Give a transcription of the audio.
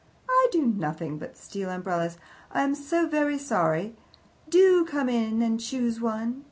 "I do nothing but steal umbrellas. I am so very sorry! Do come in and choose one.